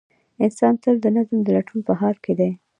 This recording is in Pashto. انسان تل د نظم د لټون په حال کې دی.